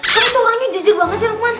kamu tuh orangnya jujur banget sih lukman